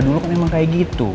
dulu kan memang kayak gitu